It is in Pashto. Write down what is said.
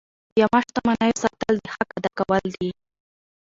د عامه شتمنیو ساتل د حق ادا کول دي.